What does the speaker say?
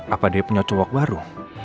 apa dia punya cowak baru